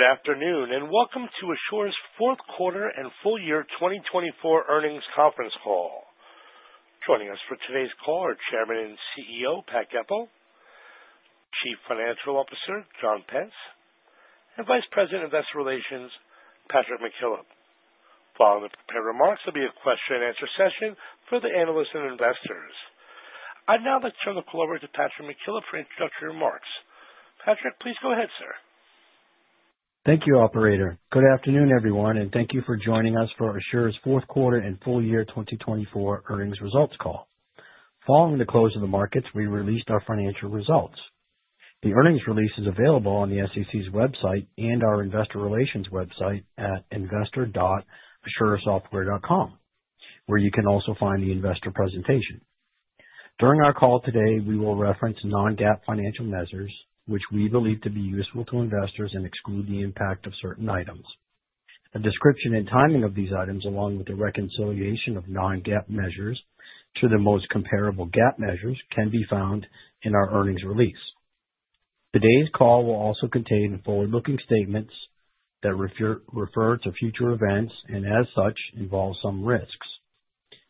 Good afternoon and welcome to Asure's fourth quarter and full year 2024 earnings conference call. Joining us for today's call are Chairman and CEO, Pat Goepel, Chief Financial Officer, John Pence, and Vice President of Investor Relations, Patrick McKillop. Following the prepared remarks, there'll be a question-and-answer session for the analysts and investors. I'd now like to turn the floor over to Patrick McKillop for introductory remarks. Patrick, please go ahead, sir. Thank you, operator. Good afternoon, everyone, and thank you for joining us for Asure's fourth quarter and full year 2024 earnings results call. Following the close of the markets, we released our financial results. The earnings release is available on the SEC's website and our investor relations website at investor.asuresoftware.com, where you can also find the investor presentation. During our call today, we will reference non-GAAP financial measures, which we believe to be useful to investors and exclude the impact of certain items. A description and timing of these items, along with the reconciliation of non-GAAP measures to the most comparable GAAP measures, can be found in our earnings release. Today's call will also contain forward-looking statements that refer to future events and, as such, involve some risks.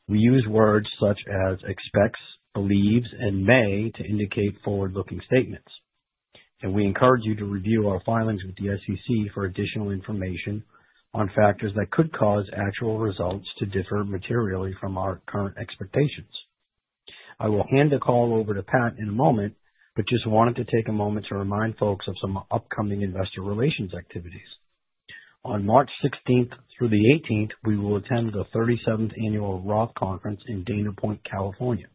We use words such as expects, believes, and may to indicate forward-looking statements. We encourage you to review our filings with the SEC for additional information on factors that could cause actual results to differ materially from our current expectations. I will hand the call over to Pat in a moment, but just wanted to take a moment to remind folks of some upcoming investor relations activities. On March 16th through the 18th, we will attend the 37th Annual Roth Conference in Dana Point, California.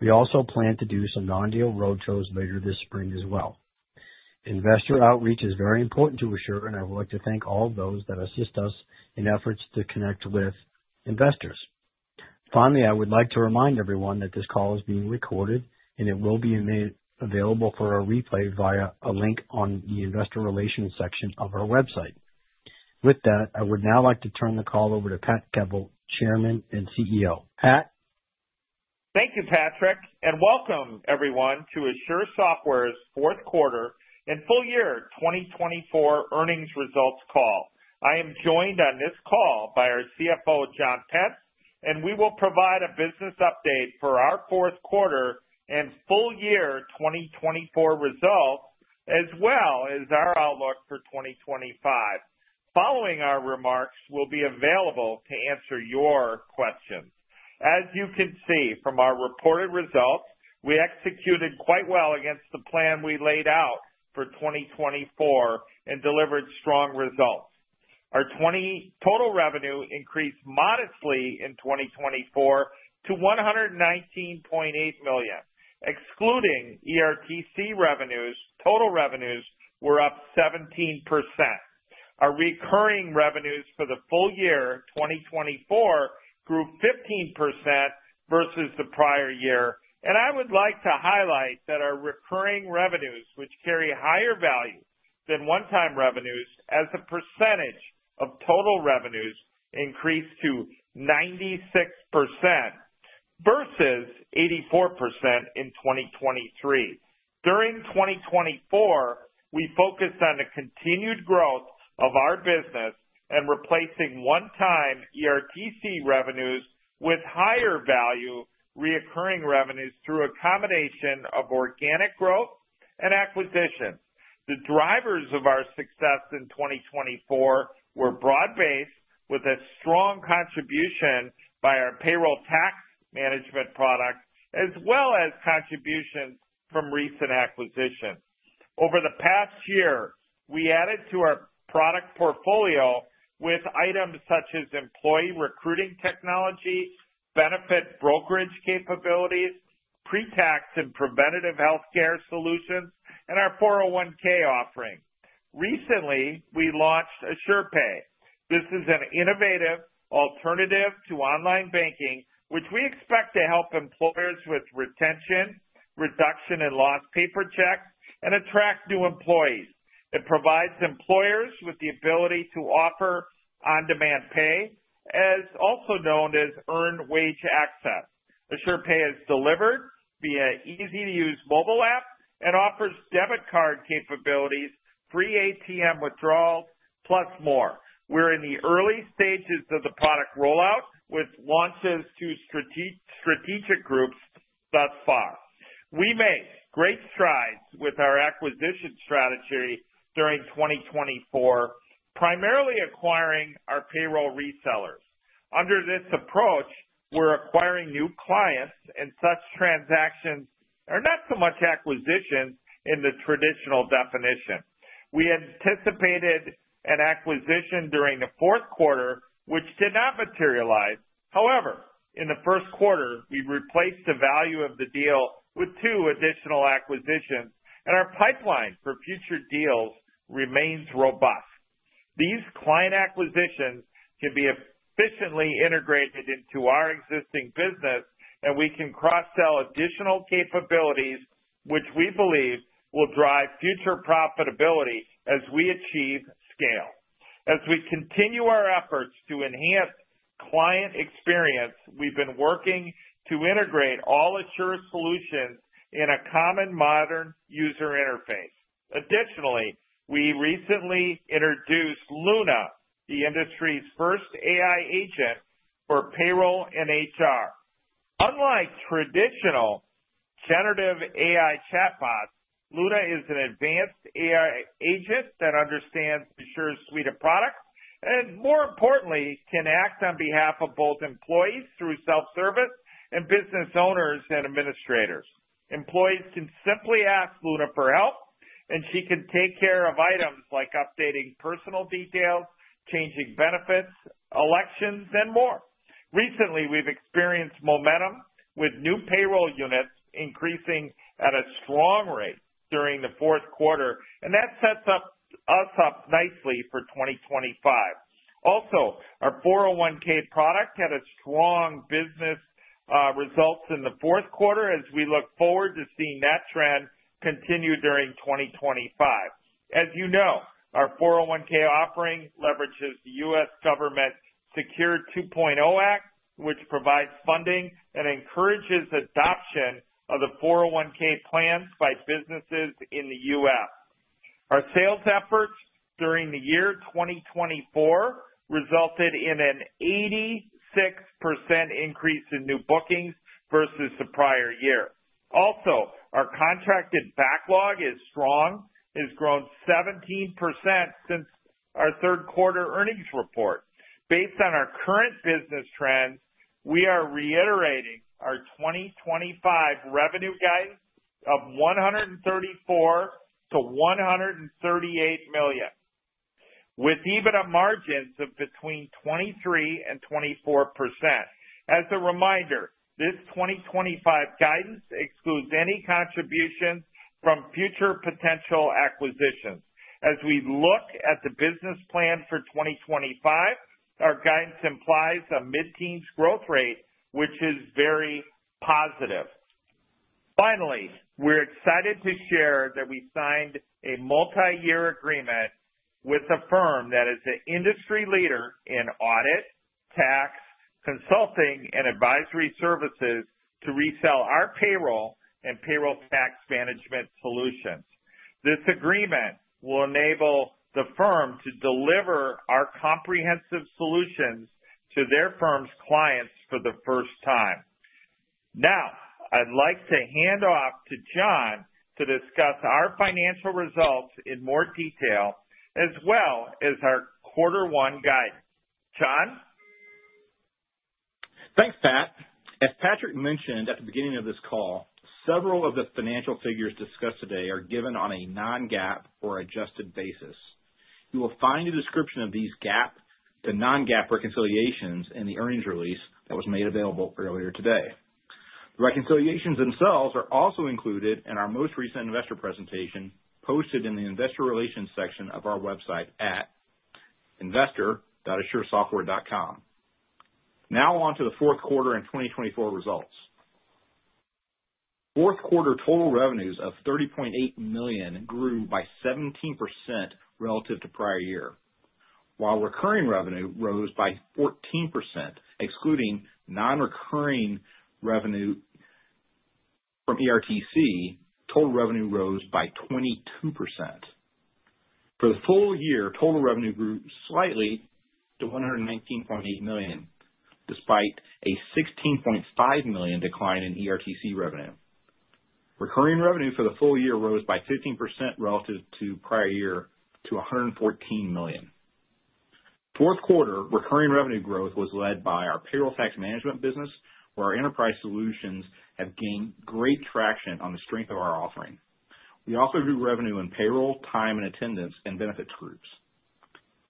We also plan to do some non-deal roadshows later this spring as well. Investor outreach is very important to Asure, and I would like to thank all of those that assist us in efforts to connect with investors. Finally, I would like to remind everyone that this call is being recorded and it will be available for a replay via a link on the investor relations section of our website. With that, I would now like to turn the call over to Pat Goepel, Chairman and CEO. Pat? Thank you, Patrick, and welcome everyone to Asure Software's fourth quarter and full year 2024 earnings results call. I am joined on this call by our CFO, John Pence, and we will provide a business update for our fourth quarter and full year 2024 results, as well as our outlook for 2025. Following our remarks, we'll be available to answer your questions. As you can see from our reported results, we executed quite well against the plan we laid out for 2024 and delivered strong results. Our total revenue increased modestly in 2024 to $119.8 million. Excluding ERTC revenues, total revenues were up 17%. Our recurring revenues for the full year 2024 grew 15% versus the prior year. I would like to highlight that our recurring revenues, which carry higher value than one-time revenues, as a percentage of total revenues, increased to 96% versus 84% in 2023. During 2024, we focused on the continued growth of our business and replacing one-time ERTC revenues with higher value recurring revenues through accommodation of organic growth and acquisition. The drivers of our success in 2024 were broad-based, with a strong contribution by our payroll tax management product, as well as contributions from recent acquisitions. Over the past year, we added to our product portfolio with items such as employee recruiting technology, benefit brokerage capabilities, pre-tax and preventative healthcare solutions, and our 401(k) offering. Recently, we launched AsurePay. This is an innovative alternative to online banking, which we expect to help employers with retention, reduction in lost paper checks, and attract new employees. It provides employers with the ability to offer on-demand pay, also known as earned wage access. AsurePay is delivered via an easy-to-use mobile app and offers debit card capabilities, free ATM withdrawals, plus more. We're in the early stages of the product rollout, with launches to strategic groups thus far. We made great strides with our acquisition strategy during 2024, primarily acquiring our payroll resellers. Under this approach, we're acquiring new clients, and such transactions are not so much acquisitions in the traditional definition. We anticipated an acquisition during the fourth quarter, which did not materialize. However, in the first quarter, we replaced the value of the deal with two additional acquisitions, and our pipeline for future deals remains robust. These client acquisitions can be efficiently integrated into our existing business, and we can cross-sell additional capabilities, which we believe will drive future profitability as we achieve scale. As we continue our efforts to enhance client experience, we've been working to integrate all Asure solutions in a common, modern user interface. Additionally, we recently introduced Luna, the industry's first AI agent for payroll and HR. Unlike traditional generative AI chatbots, Luna is an advanced AI agent that understands Asure's suite of products and, more importantly, can act on behalf of both employees through self-service and business owners and administrators. Employees can simply ask Luna for help, and she can take care of items like updating personal details, changing benefits, elections, and more. Recently, we've experienced momentum with new payroll units increasing at a strong rate during the fourth quarter, and that sets us up nicely for 2025. Also, our 401(k) product had a strong business result in the fourth quarter, as we look forward to seeing that trend continue during 2025. As you know, our 401(k) offering leverages the U.S. Government SECURE 2.0 Act, which provides funding and encourages adoption of the 401(k) plans by businesses in the U.S. Our sales efforts during the year 2024 resulted in an 86% increase in new bookings versus the prior year. Also, our contracted backlog is strong, has grown 17% since our third quarter earnings report. Based on our current business trends, we are reiterating our 2025 revenue guidance of $134-$138 million, with EBITDA margins of between 23%-24%. As a reminder, this 2025 guidance excludes any contributions from future potential acquisitions. As we look at the business plan for 2025, our guidance implies a mid-teens growth rate, which is very positive. Finally, we're excited to share that we signed a multi-year agreement with a firm that is an industry leader in audit, tax, consulting, and advisory services to resell our payroll and payroll tax management solutions. This agreement will enable the firm to deliver our comprehensive solutions to their firm's clients for the first time. Now, I'd like to hand off to John to discuss our financial results in more detail, as well as our quarter one guidance. John? Thanks, Pat. As Patrick mentioned at the beginning of this call, several of the financial figures discussed today are given on a non-GAAP or adjusted basis. You will find a description of these GAAP, the non-GAAP reconciliations, and the earnings release that was made available earlier today. The reconciliations themselves are also included in our most recent investor presentation posted in the investor relations section of our website at investor.asuresoftware.com. Now on to the fourth quarter and 2024 results. Fourth quarter total revenues of $30.8 million grew by 17% relative to prior year, while recurring revenue rose by 14%. Excluding non-recurring revenue from ERTC, total revenue rose by 22%. For the full year, total revenue grew slightly to $119.8 million, despite a $16.5 million decline in ERTC revenue. Recurring revenue for the full year rose by 15% relative to prior year to $114 million. Fourth quarter recurring revenue growth was led by our payroll tax management business, where our enterprise solutions have gained great traction on the strength of our offering. We also drew revenue in payroll, time and attendance, and benefits groups.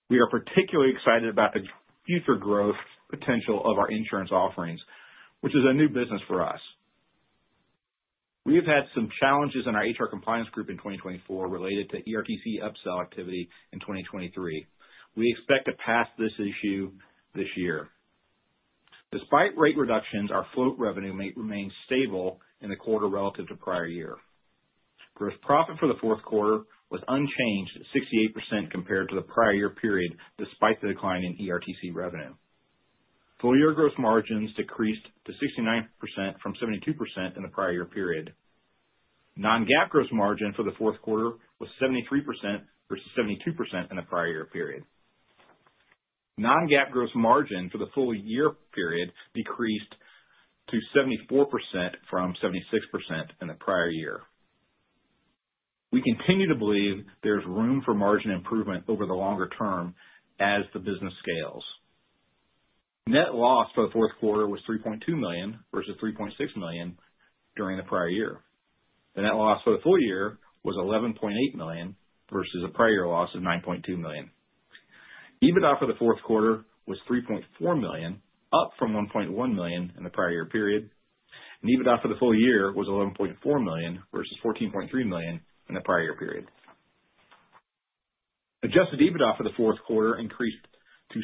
We are particularly excited about the future growth potential of our insurance offerings, which is a new business for us. We have had some challenges in our HR compliance group in 2024 related to ERTC upsell activity in 2023. We expect to pass this issue this year. Despite rate reductions, our float revenue may remain stable in the quarter relative to prior year. Gross profit for the fourth quarter was unchanged at 68% compared to the prior year period, despite the decline in ERTC revenue. Full year gross margins decreased to 69% from 72% in the prior year period. Non-GAAP gross margin for the fourth quarter was 73% versus 72% in the prior year period. Non-GAAP gross margin for the full year period decreased to 74% from 76% in the prior year. We continue to believe there is room for margin improvement over the longer term as the business scales. Net loss for the fourth quarter was $3.2 million versus $3.6 million during the prior year. The net loss for the full year was $11.8 million versus a prior year loss of $9.2 million. EBITDA for the fourth quarter was $3.4 million, up from $1.1 million in the prior year period. EBITDA for the full year was $11.4 million versus $14.3 million in the prior year period. Adjusted EBITDA for the fourth quarter increased to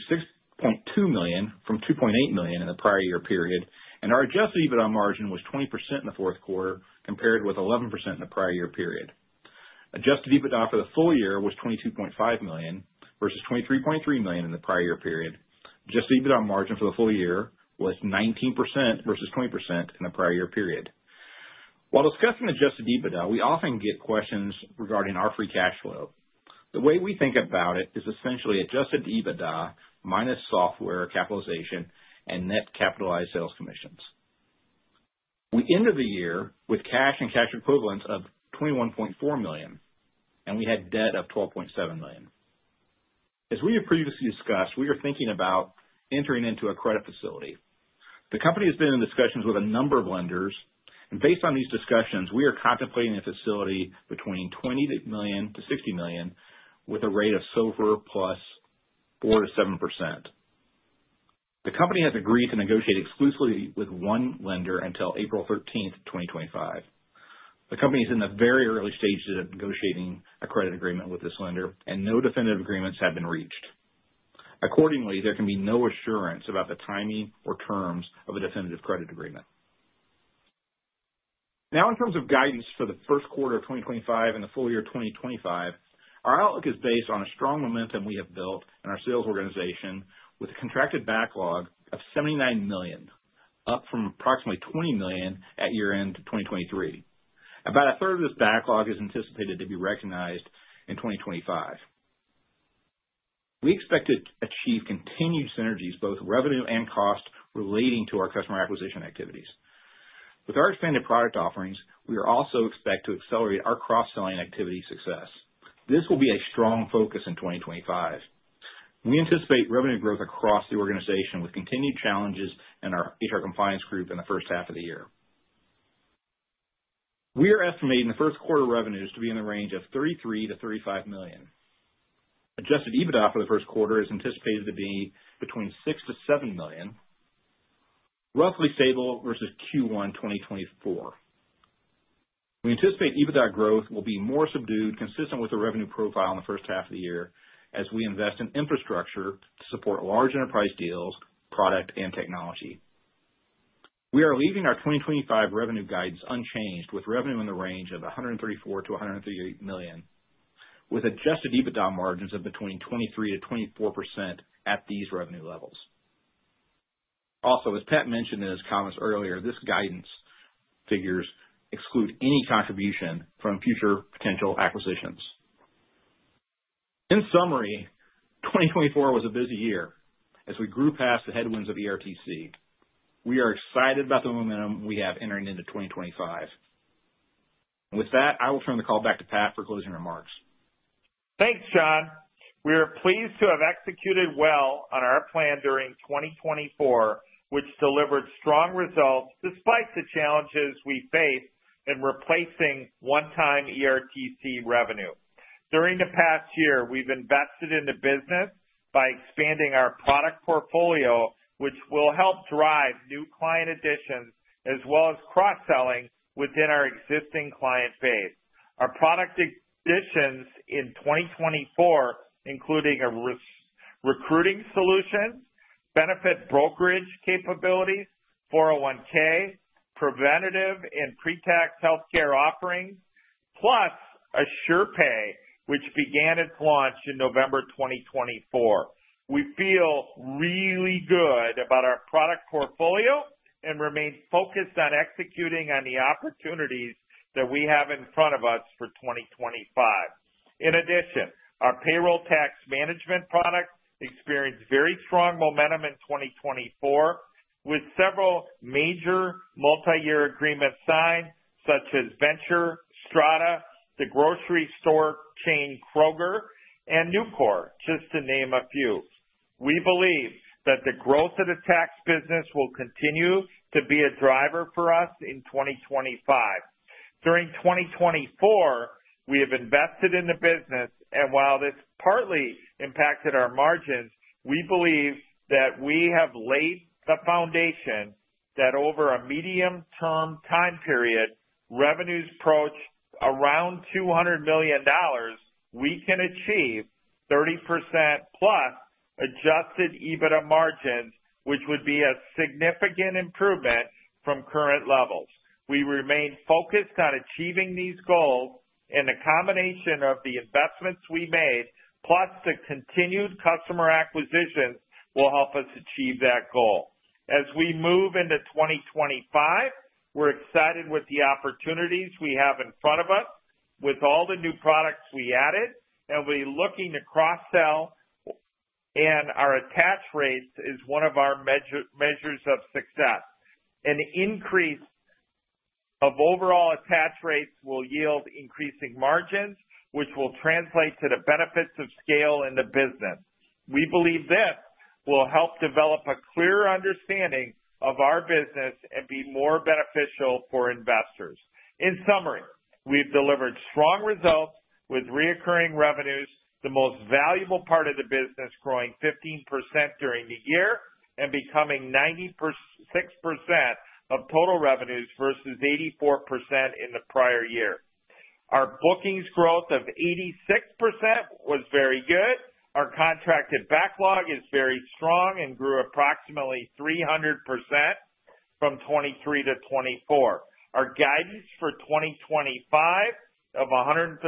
$6.2 million from $2.8 million in the prior year period. Our adjusted EBITDA margin was 20% in the fourth quarter compared with 11% in the prior year period. Adjusted EBITDA for the full year was $22.5 million versus $23.3 million in the prior year period. Adjusted EBITDA margin for the full year was 19% versus 20% in the prior year period. While discussing adjusted EBITDA, we often get questions regarding our free cash flow. The way we think about it is essentially adjusted EBITDA minus software capitalization and net capitalized sales commissions. We ended the year with cash and cash equivalents of $21.4 million, and we had debt of $12.7 million. As we have previously discussed, we are thinking about entering into a credit facility. The company has been in discussions with a number of lenders, and based on these discussions, we are contemplating a facility between $20 million-$60 million with a rate of SOFR plus 4-7%. The company has agreed to negotiate exclusively with one lender until April 13, 2025. The company is in the very early stages of negotiating a credit agreement with this lender, and no definitive agreements have been reached. Accordingly, there can be no assurance about the timing or terms of a definitive credit agreement. Now, in terms of guidance for the first quarter of 2025 and the full year 2025, our outlook is based on a strong momentum we have built in our sales organization with a contracted backlog of $79 million, up from approximately $20 million at year-end 2023. About a third of this backlog is anticipated to be recognized in 2025. We expect to achieve continued synergies, both revenue and cost, relating to our customer acquisition activities. With our expanded product offerings, we also expect to accelerate our cross-selling activity success. This will be a strong focus in 2025. We anticipate revenue growth across the organization with continued challenges in our HR compliance group in the first half of the year. We are estimating the first quarter revenues to be in the range of $33-$35 million. Adjusted EBITDA for the first quarter is anticipated to be between $6-$7 million, roughly stable versus Q1 2024. We anticipate EBITDA growth will be more subdued, consistent with the revenue profile in the first half of the year, as we invest in infrastructure to support large enterprise deals, product, and technology. We are leaving our 2025 revenue guidance unchanged, with revenue in the range of $134-$138 million, with adjusted EBITDA margins of between 23%-24% at these revenue levels. Also, as Pat mentioned in his comments earlier, this guidance figures exclude any contribution from future potential acquisitions. In summary, 2024 was a busy year as we grew past the headwinds of ERTC. We are excited about the momentum we have entering into 2025. With that, I will turn the call back to Pat for closing remarks. Thanks, John. We are pleased to have executed well on our plan during 2024, which delivered strong results despite the challenges we faced in replacing one-time ERTC revenue. During the past year, we've invested in the business by expanding our product portfolio, which will help drive new client additions, as well as cross-selling within our existing client base. Our product additions in 2024 include a recruiting solution, benefit brokerage capabilities, 401(k), preventative and pre-tax healthcare offerings, plus AsurePay, which began its launch in November 2024. We feel really good about our product portfolio and remain focused on executing on the opportunities that we have in front of us for 2025. In addition, our payroll tax management product experienced very strong momentum in 2024, with several major multi-year agreements signed, such as Strada, the grocery store chain Kroger, and Nucor, just to name a few. We believe that the growth of the tax business will continue to be a driver for us in 2025. During 2024, we have invested in the business, and while this partly impacted our margins, we believe that we have laid the foundation that over a medium-term time period, revenues approach around $200 million, we can achieve 30% plus adjusted EBITDA margins, which would be a significant improvement from current levels. We remain focused on achieving these goals, and the combination of the investments we made, plus the continued customer acquisitions, will help us achieve that goal. As we move into 2025, we're excited with the opportunities we have in front of us, with all the new products we added, and we're looking to cross-sell, and our attach rates is one of our measures of success. An increase of overall attach rates will yield increasing margins, which will translate to the benefits of scale in the business. We believe this will help develop a clearer understanding of our business and be more beneficial for investors. In summary, we've delivered strong results with recurring revenues, the most valuable part of the business growing 15% during the year and becoming 96% of total revenues versus 84% in the prior year. Our bookings growth of 86% was very good. Our contracted backlog is very strong and grew approximately 300% from 2023 to 2024. Our guidance for 2025 of $134-$138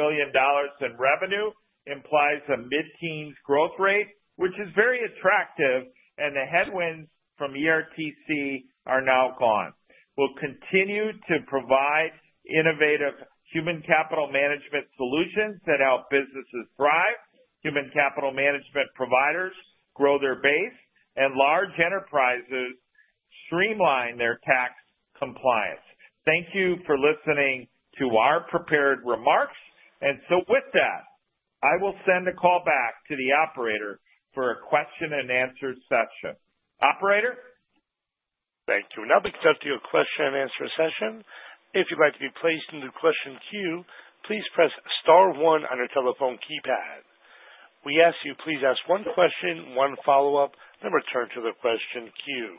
million in revenue implies a mid-teens growth rate, which is very attractive, and the headwinds from ERTC are now gone. We'll continue to provide innovative human capital management solutions that help businesses ohrive, human capital management providers grow their base, and large enterprises streamline their tax compliance. Thank you for listening to our prepared remarks. With that, I will send the call back to the operator for a question-and-answer session. Operator? Thank you. Now, we can jump to your question-and-answer session. If you'd like to be placed into question queue, please press star one on your telephone keypad. We ask you, please ask one question, one follow-up, then return to the question queue.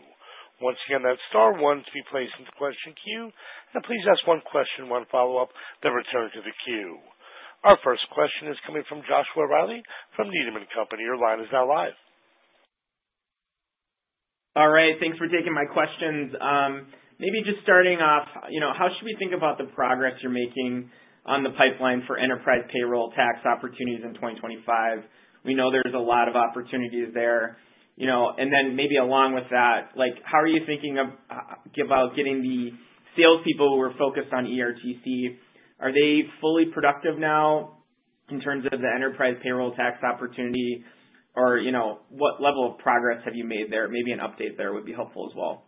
Once again, that is star one to be placed into question queue, and please ask one question, one follow-up, then return to the queue. Our first question is coming from Joshua Riley from Needham and Company. Your line is now live. All right. Thanks for taking my questions. Maybe just starting off, how should we think about the progress you're making on the pipeline for enterprise payroll tax opportunities in 2025? We know there's a lot of opportunities there. Maybe along with that, how are you thinking about getting the salespeople who are focused on ERTC? Are they fully productive now in terms of the enterprise payroll tax opportunity, or what level of progress have you made there? Maybe an update there would be helpful as well.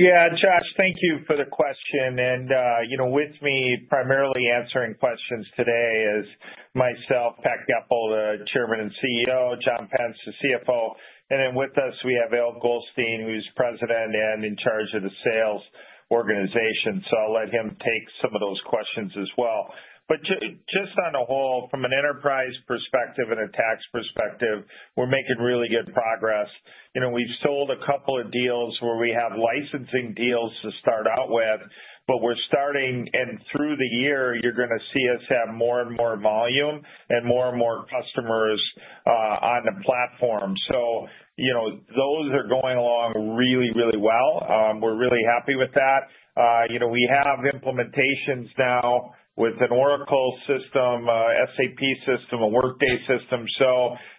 Yeah, Josh, thank you for the question. With me, primarily answering questions today, is myself, Patrick Goepel, the Chairman and CEO, John Pence, the CFO. With us, we have Eyal Goldstein, who's President and in charge of the sales organization. I will let him take some of those questions as well. Just on a whole, from an enterprise perspective and a tax perspective, we're making really good progress. We've sold a couple of deals where we have licensing deals to start out with, but we're starting, and through the year, you're going to see us have more and more volume and more and more customers on the platform. Those are going along really, really well. We're really happy with that. We have implementations now with an Oracle system, SAP system, a Workday system.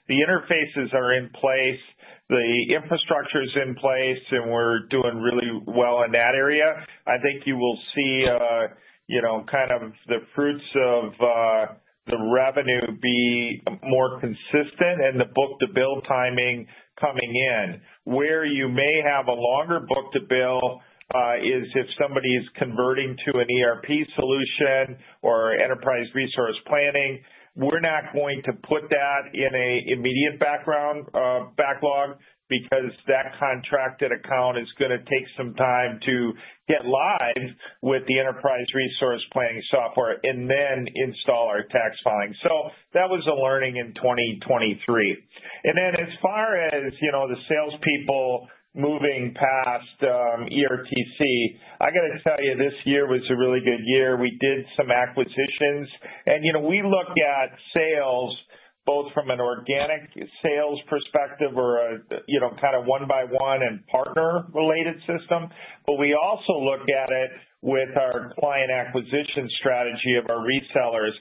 The interfaces are in place, the infrastructure is in place, and we're doing really well in that area. I think you will see kind of the fruits of the revenue be more consistent and the book-to-bill timing coming in. Where you may have a longer book-to-bill is if somebody is converting to an ERP solution or enterprise resource planning. We're not going to put that in an immediate backlog because that contracted account is going to take some time to get live with the enterprise resource planning software and then install our tax filing. That was a learning in 2023. As far as the salespeople moving past ERTC, I got to tell you, this year was a really good year. We did some acquisitions. We look at sales both from an organic sales perspective or kind of one-by-one and partner-related system, but we also look at it with our client acquisition strategy of our resellers.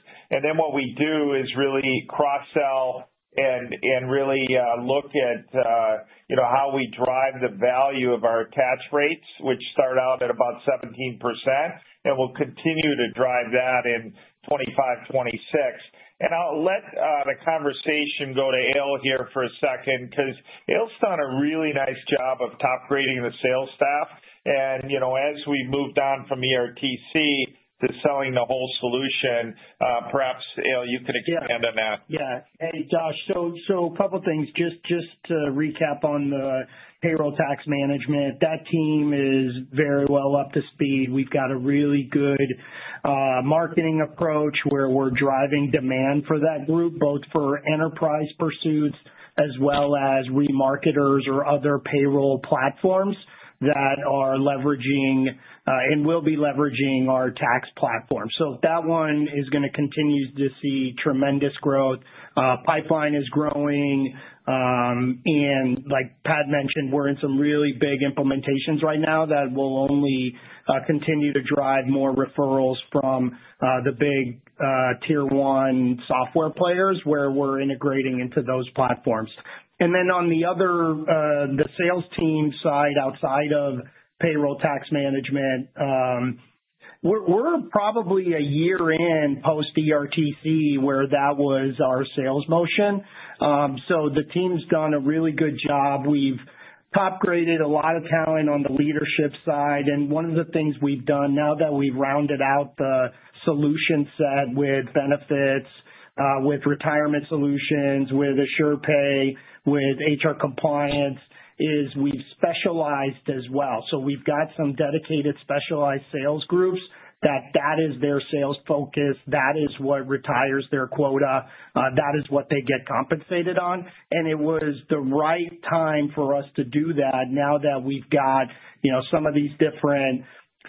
What we do is really cross-sell and really look at how we drive the value of our attach rates, which start out at about 17%, and we will continue to drive that in 2025, 2026. I will let the conversation go to Eyal here for a second because Eyal's done a really nice job of top-grading the sales staff. As we moved on from ERTC to selling the whole solution, perhaps Eyal, you could expand on that. Yeah. Hey, Josh. Just to recap on the payroll tax management, that team is very well up to speed. We've got a really good marketing approach where we're driving demand for that group, both for enterprise pursuits as well as remarketers or other payroll platforms that are leveraging and will be leveraging our tax platform. That one is going to continue to see tremendous growth. Pipeline is growing. Like Pat mentioned, we're in some really big implementations right now that will only continue to drive more referrals from the big tier-one software players where we're integrating into those platforms. On the other sales team side outside of payroll tax management, we're probably a year in post-ERTC where that was our sales motion. The team's done a really good job. We've top-graded a lot of talent on the leadership side. One of the things we've done now that we've rounded out the solution set with benefits, with retirement solutions, with AsurePay, with HR compliance, is we've specialized as well. We've got some dedicated specialized sales groups that that is their sales focus. That is what retires their quota. That is what they get compensated on. It was the right time for us to do that now that we've got some of these different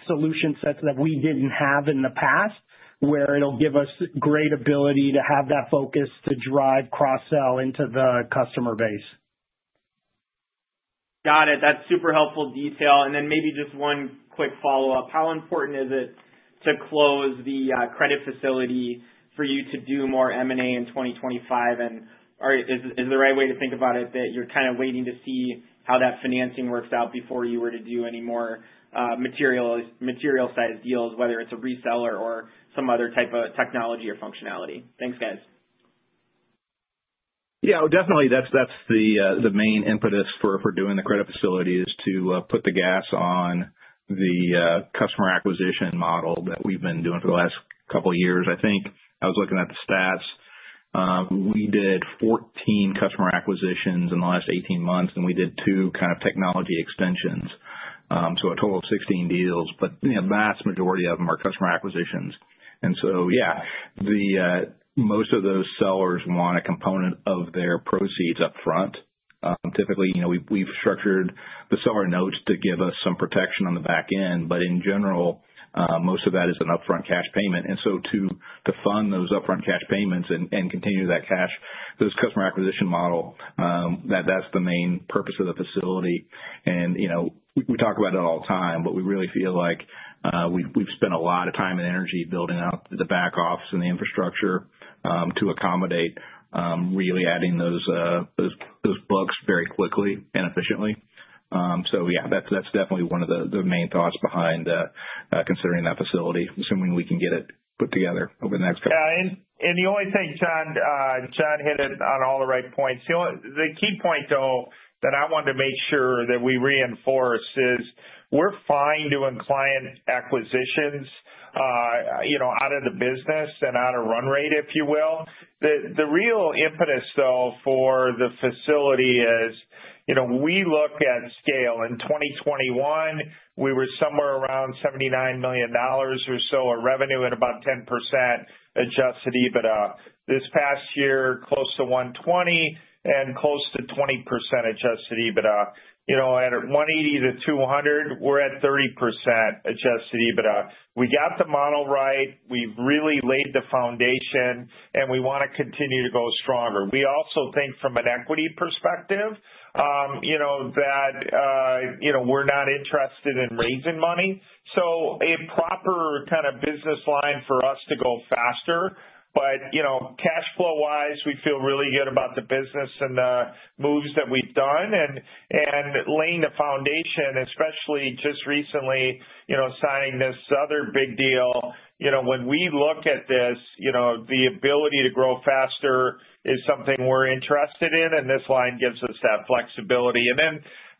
solution sets that we didn't have in the past where it'll give us great ability to have that focus to drive cross-sell into the customer base. Got it. That's super helpful detail. Maybe just one quick follow-up. How important is it to close the credit facility for you to do more M&A in 2025? Is the right way to think about it that you're kind of waiting to see how that financing works out before you were to do any more material-sized deals, whether it's a reseller or some other type of technology or functionality? Thanks, guys. Yeah, definitely. That's the main impetus for doing the credit facility is to put the gas on the customer acquisition model that we've been doing for the last couple of years. I think I was looking at the stats. We did 14 customer acquisitions in the last 18 months, and we did two kind of technology extensions. A total of 16 deals, but the vast majority of them are customer acquisitions. Most of those sellers want a component of their proceeds upfront. Typically, we've structured the seller notes to give us some protection on the back end, but in general, most of that is an upfront cash payment. To fund those upfront cash payments and continue that customer acquisition model, that's the main purpose of the facility. We talk about it all the time, but we really feel like we've spent a lot of time and energy building out the back office and the infrastructure to accommodate really adding those books very quickly and efficiently. Yeah, that's definitely one of the main thoughts behind considering that facility, assuming we can get it put together over the next couple of years. Yeah. The only thing, John, John hit it on all the right points. The key point, though, that I wanted to make sure that we reinforce is we're fine doing client acquisitions out of the business and out of run rate, if you will. The real impetus, though, for the facility is we look at scale. In 2021, we were somewhere around $79 million or so of revenue and about 10% adjusted EBITDA. This past year, close to $120 million and close to 20% adjusted EBITDA. At $180 million-$200 million, we're at 30% adjusted EBITDA. We got the model right. We've really laid the foundation, and we want to continue to go stronger. We also think from an equity perspective that we're not interested in raising money. A proper kind of business line for us to go faster, but cash flow-wise, we feel really good about the business and the moves that we've done. Laying the foundation, especially just recently signing this other big deal, when we look at this, the ability to grow faster is something we're interested in, and this line gives us that flexibility.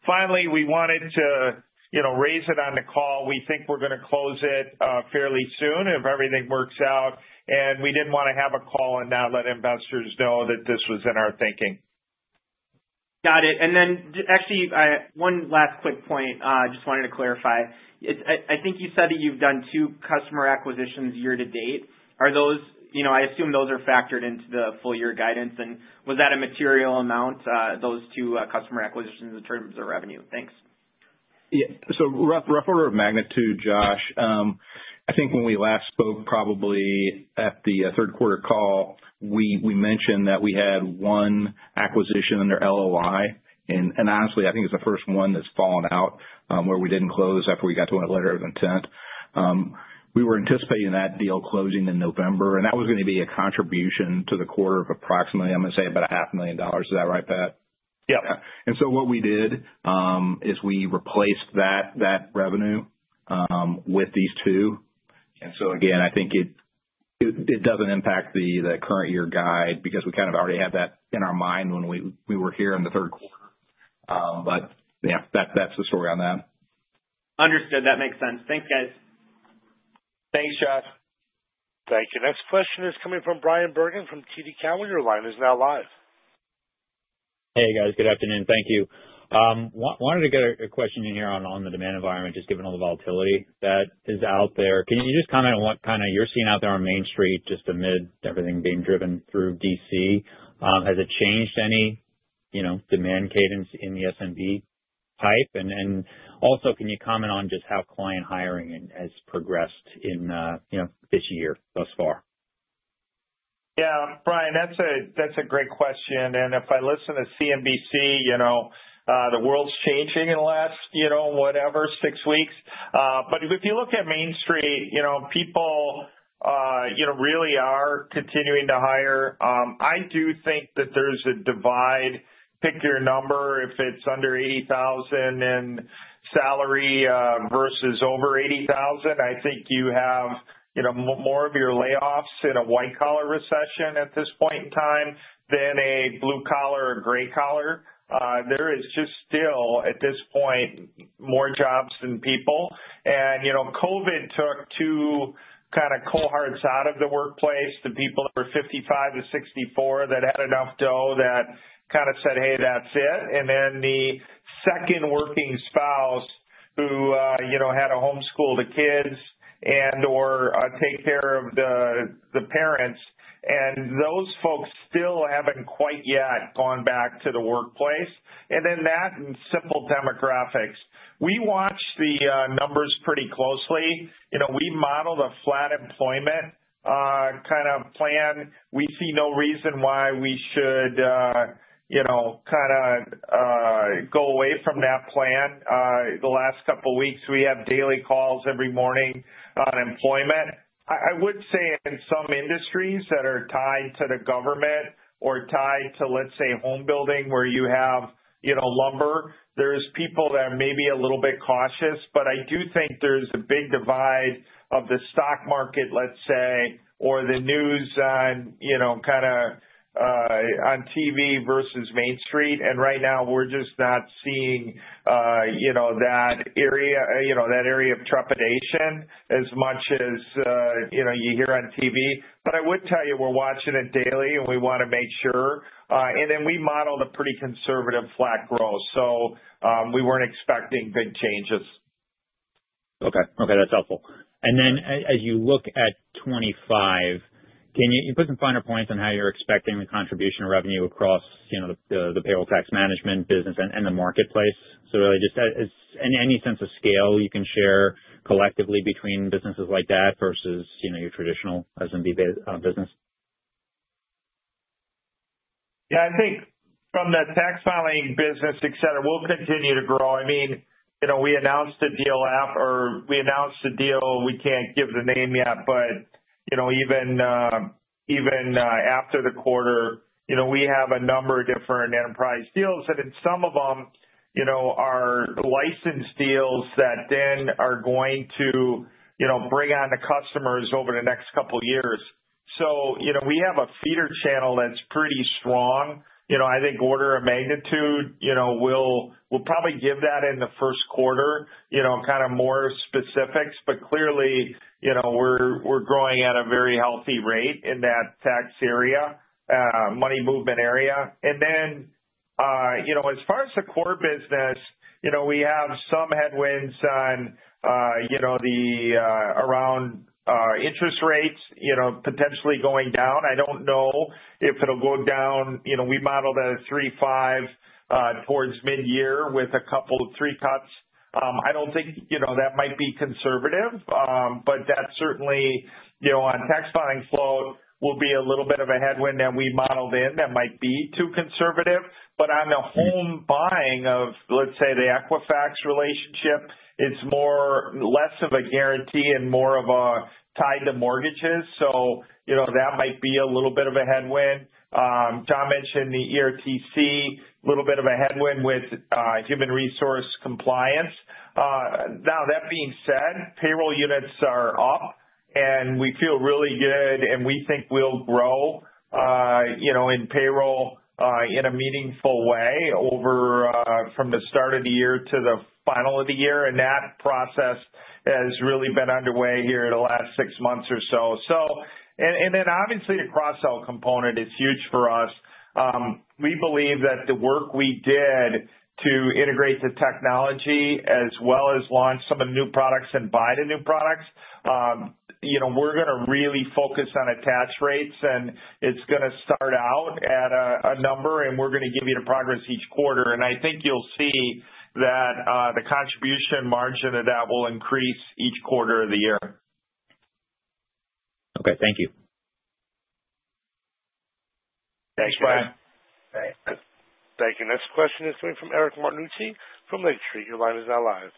Finally, we wanted to raise it on the call. We think we're going to close it fairly soon if everything works out. We did not want to have a call and not let investors know that this was in our thinking. Got it. Actually, one last quick point. I just wanted to clarify. I think you said that you've done two customer acquisitions year-to-date. I assume those are factored into the full-year guidance. Was that a material amount, those two customer acquisitions in terms of revenue? Thanks. Yeah. Rough order of magnitude, Josh, I think when we last spoke probably at the third-quarter call, we mentioned that we had one acquisition under LOI. Honestly, I think it's the first one that's fallen out where we didn't close after we got to a letter of intent. We were anticipating that deal closing in November, and that was going to be a contribution to the quarter of approximately, I'm going to say, about $500,000. Is that right, Pat? Yep. What we did is we replaced that revenue with these two. I think it does not impact the current-year guide because we kind of already had that in our mind when we were here in the third quarter. Yeah, that is the story on that. Understood. That makes sense. Thanks, guys. Thanks, Josh. Thank you. Next question is coming from Brian Bergen from TD Cowen. He's now live. Hey, guys. Good afternoon. Thank you. Wanted to get a question in here on the demand environment, just given all the volatility that is out there. Can you just comment on what kind of you're seeing out there on Main Street, just amid everything being driven through D.C.? Has it changed any demand cadence in the SMB type? Also, can you comment on just how client hiring has progressed in this year thus far? Yeah. Brian, that's a great question. If I listen to CNBC, the world's changing in the last, whatever, six weeks. If you look at Main Street, people really are continuing to hire. I do think that there's a divide. Pick your number. If it's under $80,000 in salary versus over $80,000, I think you have more of your layoffs in a white-collar recession at this point in time than a blue-collar or gray-collar. There is just still, at this point, more jobs than people. COVID took two kind of cohorts out of the workplace, the people that were 55-64 that had enough dough that kind of said, "Hey, that's it." The second working spouse who had to homeschool the kids and/or take care of the parents. Those folks still haven't quite yet gone back to the workplace. That and simple demographics. We watch the numbers pretty closely. We modeled a flat employment kind of plan. We see no reason why we should kind of go away from that plan. The last couple of weeks, we have daily calls every morning on employment. I would say in some industries that are tied to the government or tied to, let's say, home building where you have lumber, there are people that are maybe a little bit cautious. I do think there is a big divide of the stock market, let's say, or the news on TV versus Main Street. Right now, we are just not seeing that area of trepidation as much as you hear on TV. I would tell you, we are watching it daily, and we want to make sure. We modeled a pretty conservative flat growth. We were not expecting big changes. Okay. Okay .That's helpful. As you look at '25, can you put some finer points on how you're expecting the contribution of revenue across the payroll tax management business and the marketplace? Really just any sense of scale you can share collectively between businesses like that versus your traditional SMB business? Yeah. I think from the tax filing business, etc., we'll continue to grow. I mean, we announced a deal app or we announced a deal. We can't give the name yet, but even after the quarter, we have a number of different enterprise deals. Some of them are licensed deals that then are going to bring on the customers over the next couple of years. We have a feeder channel that's pretty strong. I think order of magnitude will probably give that in the first quarter, kind of more specifics. Clearly, we're growing at a very healthy rate in that tax area, money movement area. As far as the core business, we have some headwinds on the around interest rates potentially going down. I don't know if it'll go down. We modeled a 3.5 towards mid-year with a couple of three cuts. I don't think that might be conservative, but that certainly on tax filing slope will be a little bit of a headwind that we modeled in that might be too conservative. On the home buying of, let's say, the Equifax relationship, it's less of a guarantee and more of a tie to mortgages. That might be a little bit of a headwind. John mentioned the ERTC, a little bit of a headwind with human resource compliance. That being said, payroll units are up, and we feel really good, and we think we'll grow in payroll in a meaningful way from the start of the year to the final of the year. That process has really been underway here the last six months or so. Obviously, the cross-sell component is huge for us. We believe that the work we did to integrate the technology as well as launch some of the new products and buy the new products, we're going to really focus on attach rates. It is going to start out at a number, and we're going to give you the progress each quarter. I think you'll see that the contribution margin of that will increase each quarter of the year. Okay. Thank you. Thanks, Brian. Thank you. Next question is coming from Eric Martucci from Lake Street. Your line is now live.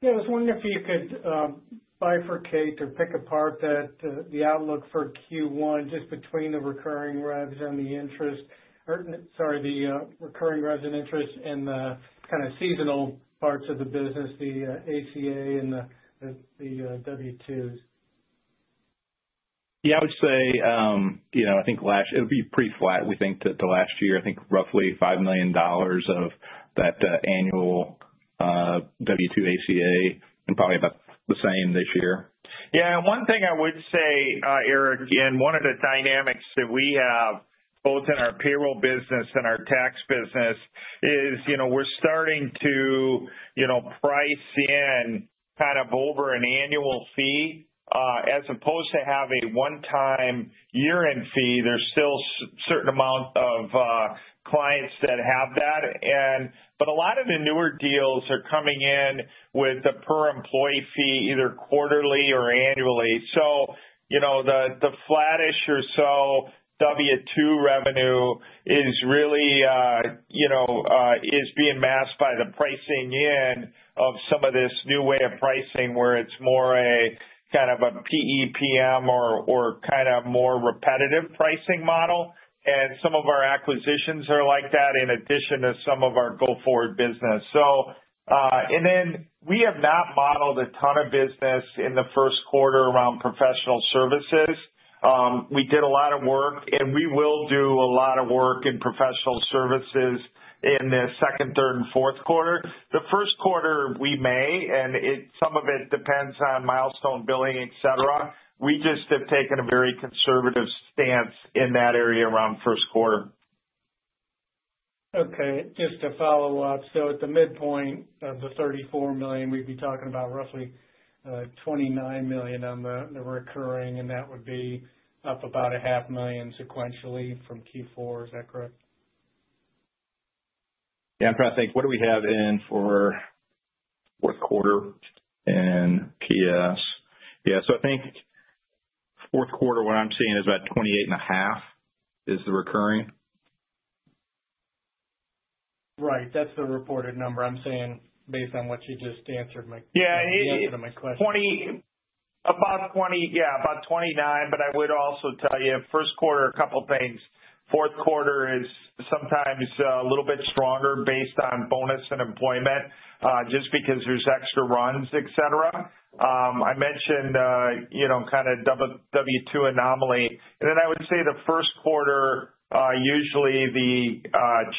Yeah. I was wondering if you could bifurcate or pick apart the outlook for Q1 just between the recurring revenue and the interest, sorry, the recurring revenue interest and the kind of seasonal parts of the business, the ACA and the W-2s. Yeah. I would say I think it'll be pretty flat, we think, to last year. I think roughly $5 million of that annual W-2 ACA and probably about the same this year. Yeah. One thing I would say, Eric, and one of the dynamics that we have both in our payroll business and our tax business is we're starting to price in kind of over an annual fee as opposed to have a one-time year-end fee. There's still a certain amount of clients that have that. A lot of the newer deals are coming in with a per-employee fee either quarterly or annually. The flattish or so W-2 revenue is really being masked by the pricing in of some of this new way of pricing where it's more a kind of a PEPM or kind of more repetitive pricing model. Some of our acquisitions are like that in addition to some of our go-forward business. We have not modeled a ton of business in the first quarter around professional services. We did a lot of work, and we will do a lot of work in professional services in the second, third, and fourth quarter. The first quarter, we may, and some of it depends on milestone billing, etc. We just have taken a very conservative stance in that area around first quarter. Okay. Just to follow up, at the midpoint of the $34 million, we'd be talking about roughly $29 million on the recurring, and that would be up about $500,000 sequentially from Q4. Is that correct? Yeah. I'm trying to think. What do we have in for fourth quarter and PS? Yeah. I think fourth quarter, what I'm seeing is about $28.5 is the recurring. Right. That's the reported number. I'm saying based on what you just answered my question. Yeah. About 20, yeah, about 29. I would also tell you first quarter, a couple of things. Fourth quarter is sometimes a little bit stronger based on bonus and employment just because there's extra runs, etc. I mentioned kind of W-2 anomaly. I would say the first quarter, usually the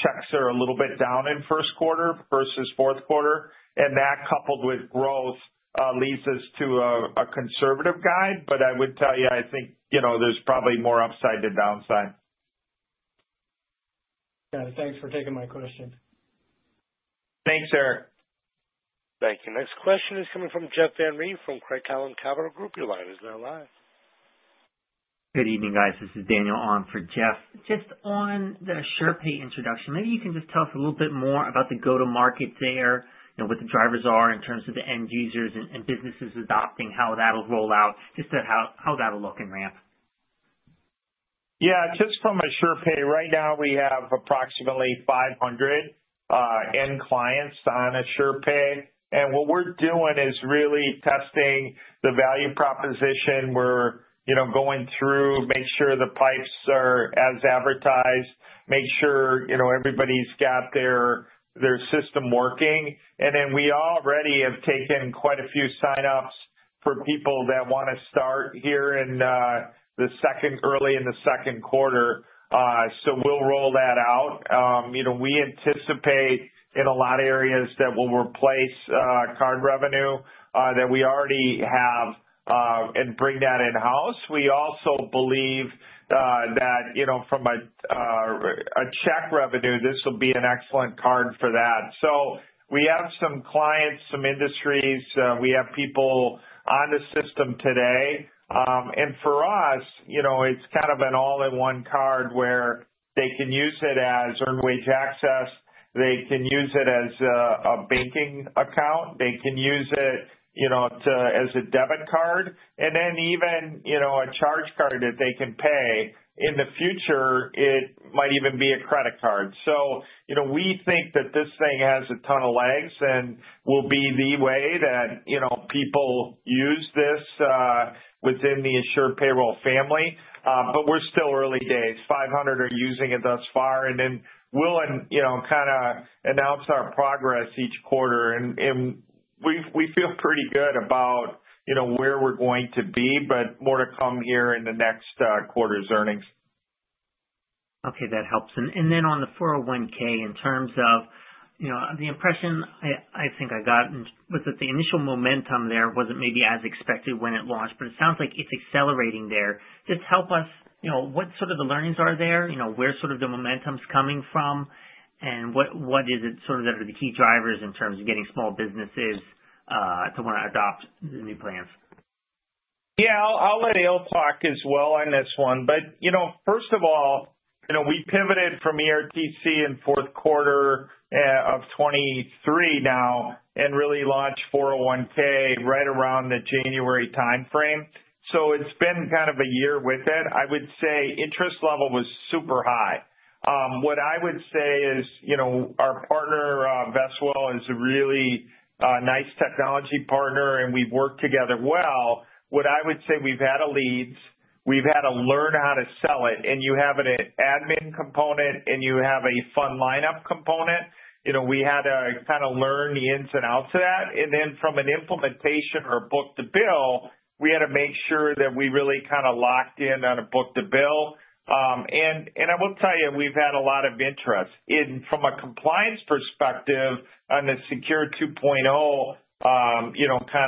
checks are a little bit down in first quarter versus fourth quarter. That coupled with growth leads us to a conservative guide. I would tell you, I think there's probably more upside than downside. Got it. Thanks for taking my question. Thanks, Eric. Thank you. Next question is coming from Jeff Van Reen from Craig-Hallum Capital Group. Your line is now live. Good evening, guys. This is Daniel on for Jeff. Just on the AsurePay introduction, maybe you can just tell us a little bit more about the go-to-market there and what the drivers are in terms of the end users and businesses adopting, how that'll roll out, just how that'll look in ramp. Yeah. Just from AsurePay, right now we have approximately 500 end clients on AsurePay. What we're doing is really testing the value proposition. We're going through, make sure the pipes are as advertised, make sure everybody's got their system working. We already have taken quite a few sign-ups for people that want to start here early in the second quarter. We anticipate in a lot of areas that we'll replace card revenue that we already have and bring that in-house. We also believe that from a check revenue, this will be an excellent card for that. We have some clients, some industries. We have people on the system today. For us, it's kind of an all-in-one card where they can use it as earned wage access. They can use it as a banking account. They can use it as a debit card. Then even a charge card that they can pay. In the future, it might even be a credit card. We think that this thing has a ton of legs and will be the way that people use this within the Assure Payroll family. We're still early days. Five hundred are using it thus far. We will kind of announce our progress each quarter. We feel pretty good about where we're going to be, but more to come here in the next quarter's earnings. Okay. That helps. Then on the 401(k), in terms of the impression I think I got was that the initial momentum there wasn't maybe as expected when it launched, but it sounds like it's accelerating there. Just help us what sort of the learnings are there, where sort of the momentum's coming from, and what is it sort of that are the key drivers in terms of getting small businesses to want to adopt the new plans? Yeah. I'll let Eyal talk as well on this one. First of all, we pivoted from ERTC in fourth quarter of 2023 now and really launched 401(k) right around the January timeframe. It has been kind of a year with it. I would say interest level was super high. What I would say is our partner, Vestwell, is a really nice technology partner, and we've worked together well. What I would say, we've had leads. We've had to learn how to sell it. You have an admin component, and you have a fund lineup component. We had to kind of learn the ins and outs of that. From an implementation or a book-to-bill, we had to make sure that we really kind of locked in on a book-to-bill. I will tell you, we've had a lot of interest. From a compliance perspective on the SECURE 2.0 kind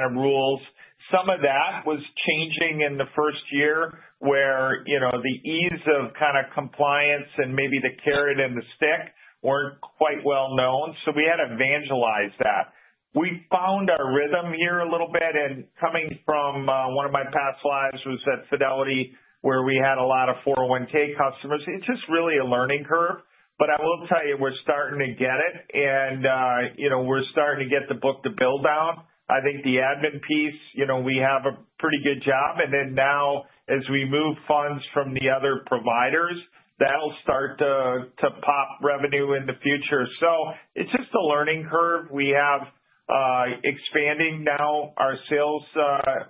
of rules, some of that was changing in the first year where the ease of compliance and maybe the carrot and the stick were not quite well known. We had to evangelize that. We found our rhythm here a little bit. Coming from one of my past lives was at Fidelity where we had a lot of 401(k) customers. It is just really a learning curve. I will tell you, we are starting to get it, and we are starting to get the book-to-bill down. I think the admin piece, we have a pretty good job. Now, as we move funds from the other providers, that will start to pop revenue in the future. It is just a learning curve. We have expanding now our sales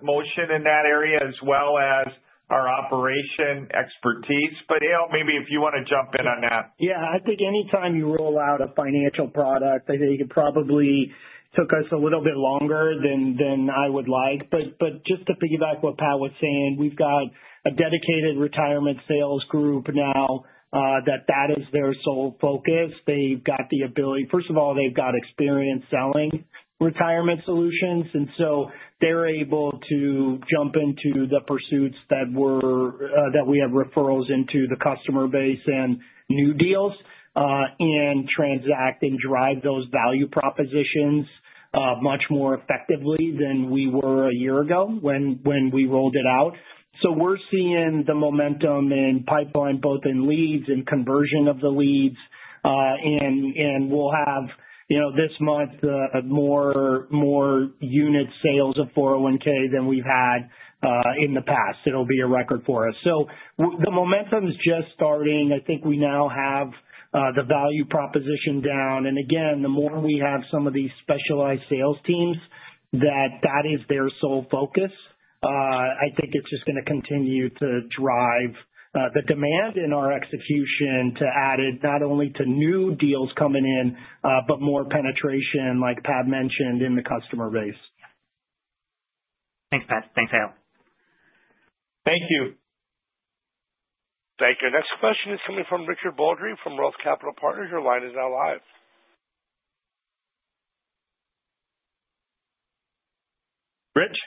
motion in that area as well as our operation expertise. Eyal, maybe if you want to jump in on that. Yeah. I think anytime you roll out a financial product, I think it probably took us a little bit longer than I would like. But just to piggyback what Pat was saying, we've got a dedicated retirement sales group now that that is their sole focus. They've got the ability first of all, they've got experience selling retirement solutions. And so they're able to jump into the pursuits that we have referrals into the customer base and new deals and transact and drive those value propositions much more effectively than we were a year ago when we rolled it out. We're seeing the momentum in pipeline, both in leads and conversion of the leads. We'll have this month more unit sales of 401(k) than we've had in the past. It'll be a record for us. The momentum's just starting. I think we now have the value proposition down. Again, the more we have some of these specialized sales teams, that is their sole focus. I think it's just going to continue to drive the demand in our execution to add it not only to new deals coming in, but more penetration, like Pat mentioned, in the customer base. Thanks, Pat. Thanks, Eyal. Thank you. Thank you. Next question is coming from Richard Baldry from Roth Capital Partners. Your line is now live. Rich?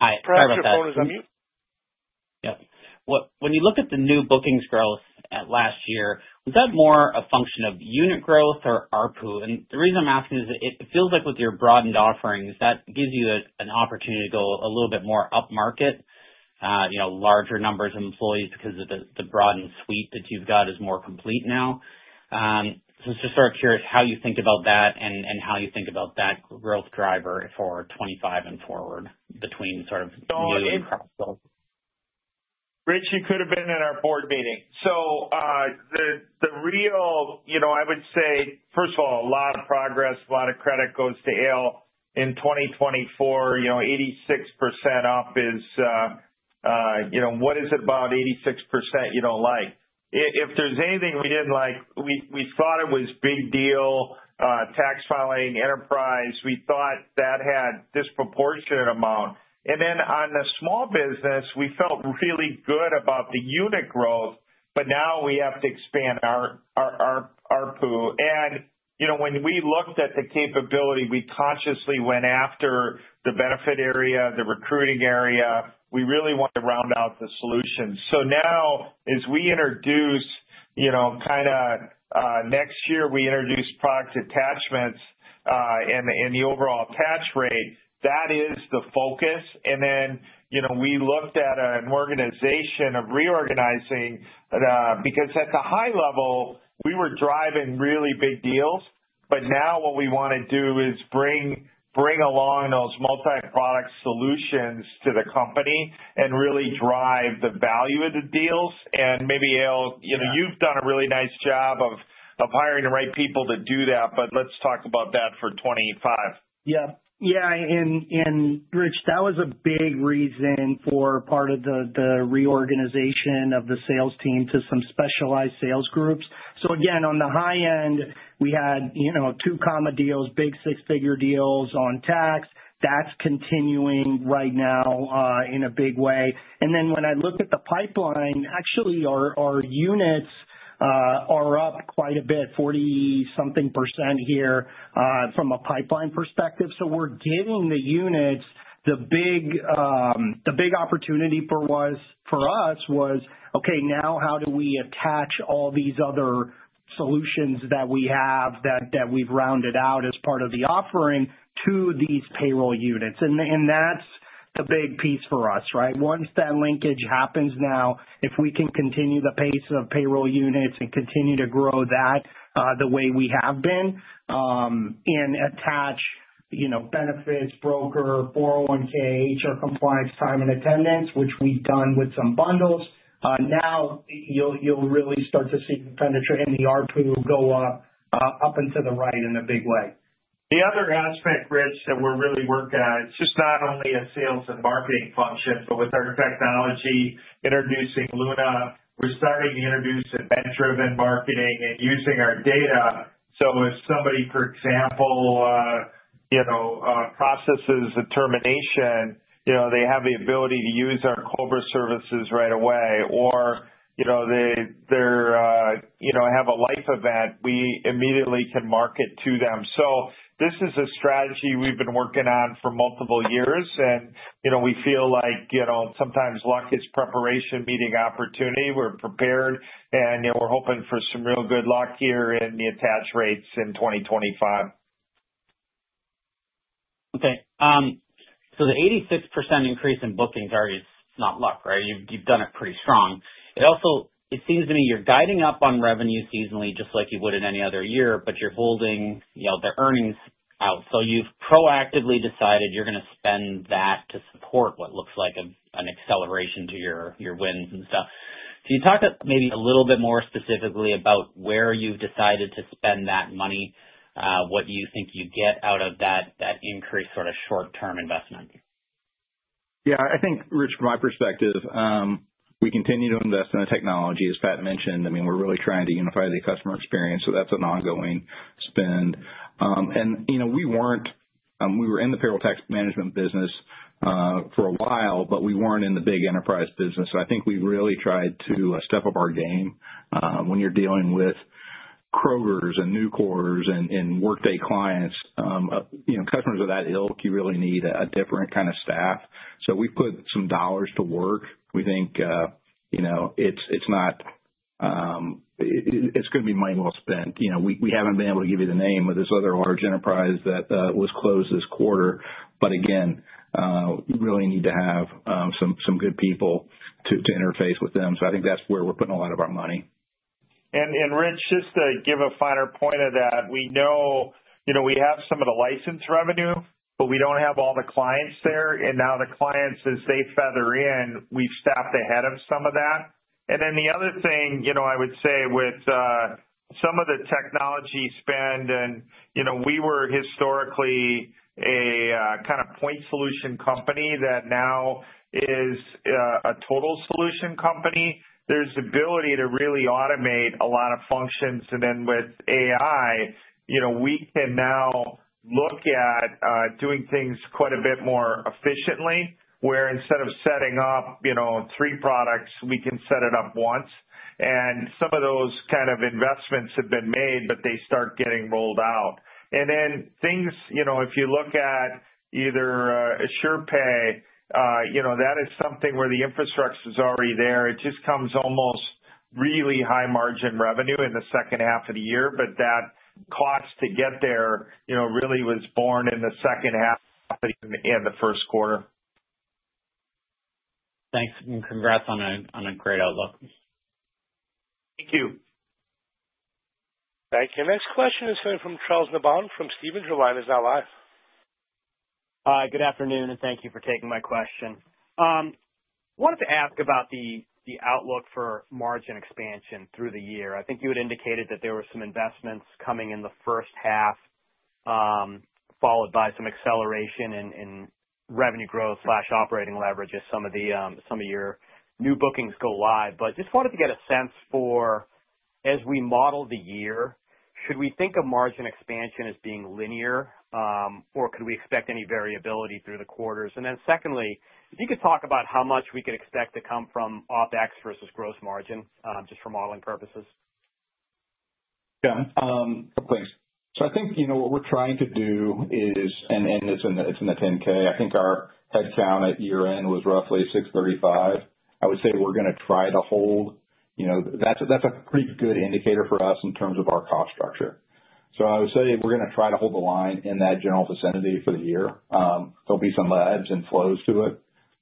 Hi. Pat, your phone is on mute. Yep. When you look at the new bookings growth last year, was that more a function of unit growth or ARPU? The reason I'm asking is it feels like with your broadened offerings, that gives you an opportunity to go a little bit more upmarket, larger numbers of employees because the broadened suite that you've got is more complete now. Just sort of curious how you think about that and how you think about that growth driver for 2025 and forward between sort of new and cross-sell. Rich, you could have been at our board meeting. The real, I would say, first of all, a lot of progress, a lot of credit goes to Eyal in 2024. 86% up is what is it about 86% you don't like? If there's anything we didn't like, we thought it was big deal, tax filing, enterprise. We thought that had disproportionate amount. On the small business, we felt really good about the unit growth, but now we have to expand our ARPU. When we looked at the capability, we consciously went after the benefit area, the recruiting area. We really want to round out the solution. Now, as we introduce kind of next year, we introduce product attachments and the overall attach rate. That is the focus. We looked at an organization of reorganizing because at the high level, we were driving really big deals. What we want to do now is bring along those multi-product solutions to the company and really drive the value of the deals. Maybe, Eyal, you've done a really nice job of hiring the right people to do that, but let's talk about that for 2025. Yep. Yeah. And Rich, that was a big reason for part of the reorganization of the sales team to some specialized sales groups. Again, on the high end, we had two comma deals, big six-figure deals on tax. That's continuing right now in a big way. When I look at the pipeline, actually, our units are up quite a bit, 40-something % here from a pipeline perspective. We're getting the units. The big opportunity for us was, okay, now how do we attach all these other solutions that we have that we've rounded out as part of the offering to these payroll units? That's the big piece for us, right? Once that linkage happens now, if we can continue the pace of payroll units and continue to grow that the way we have been and attach benefits, broker, 401(k), HR compliance, time and attendance, which we've done with some bundles, now you'll really start to see the penetrate and the ARPU go up into the right in a big way. The other aspect, Rich, that we're really working on, it's just not only a sales and marketing function, but with our technology introducing Luna, we're starting to introduce event-driven marketing and using our data. If somebody, for example, processes a termination, they have the ability to use our Cobra services right away, or they have a life event, we immediately can market to them. This is a strategy we've been working on for multiple years. We feel like sometimes luck is preparation meeting opportunity. We're prepared, and we're hoping for some real good luck here in the attach rates in 2025. Okay. The 86% increase in bookings already is not luck, right? You've done it pretty strong. It seems to me you're guiding up on revenue seasonally just like you would in any other year, but you're holding the earnings out. You've proactively decided you're going to spend that to support what looks like an acceleration to your wins and stuff. Can you talk maybe a little bit more specifically about where you've decided to spend that money, what you think you get out of that increased sort of short-term investment? Yeah. I think, Rich, from my perspective, we continue to invest in the technology, as Pat mentioned. I mean, we're really trying to unify the customer experience, so that's an ongoing spend. We were in the payroll tax management business for a while, but we weren't in the big enterprise business. I think we really tried to step up our game when you're dealing with Kroger and Nucor and Workday clients. Customers are that ill. You really need a different kind of staff. We've put some dollars to work. We think it's going to be money well spent. We haven't been able to give you the name of this other large enterprise that was closed this quarter. Again, you really need to have some good people to interface with them. I think that's where we're putting a lot of our money. Rich, just to give a finer point of that, we know we have some of the license revenue, but we do not have all the clients there. Now the clients, as they feather in, we have stepped ahead of some of that. The other thing I would say with some of the technology spend, we were historically a kind of point solution company that now is a total solution company. There is the ability to really automate a lot of functions. With AI, we can now look at doing things quite a bit more efficiently, where instead of setting up three products, we can set it up once. Some of those kind of investments have been made, but they start getting rolled out. If you look at either AsurePay, that is something where the infrastructure is already there. It just comes almost really high margin revenue in the second half of the year. That cost to get there really was born in the second half and the first quarter. Thanks. Congrats on a great outlook. Thank you. Thank you. Next question is coming from Charles Nabhan from Stephens. Your line is now live. Hi. Good afternoon, and thank you for taking my question. I wanted to ask about the outlook for margin expansion through the year. I think you had indicated that there were some investments coming in the first half, followed by some acceleration in revenue growth/operating leverage as some of your new bookings go live. Just wanted to get a sense for, as we model the year, should we think of margin expansion as being linear, or could we expect any variability through the quarters? Secondly, if you could talk about how much we could expect to come from OpEx versus gross margin just for modeling purposes. Yeah. Thanks. I think what we're trying to do is, and it's in the 10-K, I think our headcount at year-end was roughly 635. I would say we're going to try to hold. That's a pretty good indicator for us in terms of our cost structure. I would say we're going to try to hold the line in that general vicinity for the year. There'll be some ebbs and flows to it,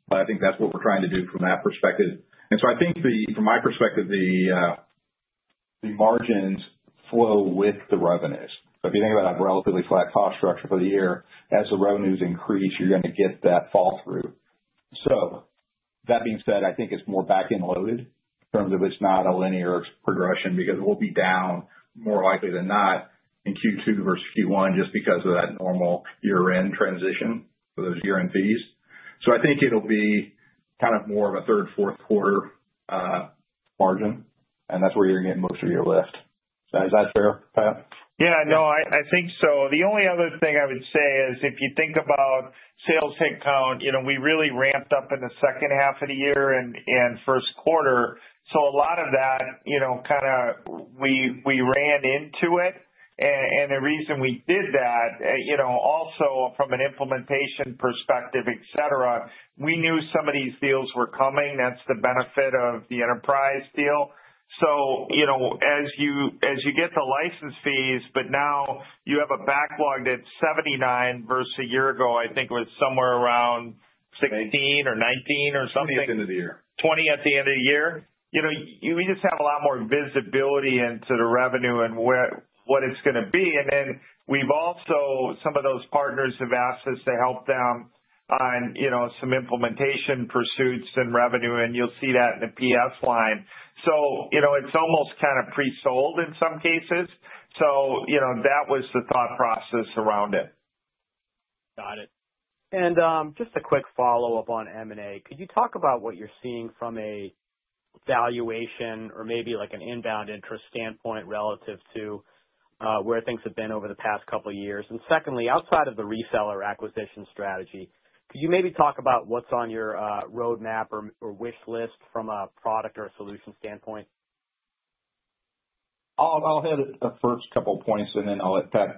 but I think that's what we're trying to do from that perspective. I think, from my perspective, the margins flow with the revenues. If you think about a relatively flat cost structure for the year, as the revenues increase, you're going to get that fall-through. That being said, I think it's more back-end loaded in terms of it's not a linear progression because it will be down more likely than not in Q2 versus Q1 just because of that normal year-end transition for those year-end fees. I think it'll be kind of more of a third, fourth quarter margin, and that's where you're going to get most of your lift. Is that fair, Pat? Yeah. No, I think so. The only other thing I would say is if you think about sales headcount, we really ramped up in the second half of the year and first quarter. A lot of that kind of we ran into it. The reason we did that, also from an implementation perspective, etc., we knew some of these deals were coming. That's the benefit of the enterprise deal. You get the license fees, but now you have a backlog that's 79 versus a year ago, I think it was somewhere around 16 or 19 or something. 20 at the end of the year. 20 at the end of the year. We just have a lot more visibility into the revenue and what it's going to be. We've also, some of those partners have asked us to help them on some implementation pursuits and revenue, and you'll see that in the PS line. It's almost kind of pre-sold in some cases. That was the thought process around it. Got it. Just a quick follow-up on M&A. Could you talk about what you're seeing from a valuation or maybe an inbound interest standpoint relative to where things have been over the past couple of years? Secondly, outside of the reseller acquisition strategy, could you maybe talk about what's on your roadmap or wish list from a product or a solution standpoint? I'll hit a first couple of points, and then I'll let Pat